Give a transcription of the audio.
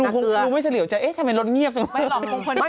คุณรู้ไม่เฉลี่ยวเอ๊ะทำไมรถเงียบแซงไป